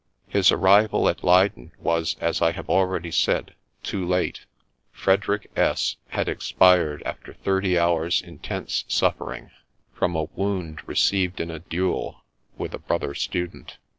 His arrival at Leyden was, as I have already said, too late. Frederick S had expired after thirty hours' intense suffering, from a wound received in a duel with a brother student.